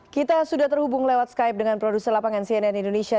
kita sudah terhubung lewat skype dengan produser lapangan cnn indonesia